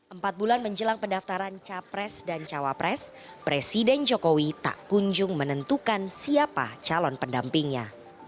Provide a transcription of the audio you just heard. empat bulan menjelang pendaftaran capres dan cawapres presiden jokowi tak kunjung menentukan siapa calon pendampingnya